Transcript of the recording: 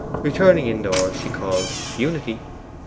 Returning indoors she called 'Unity!